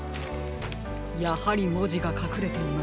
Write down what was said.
やはりもじがかくれていましたか。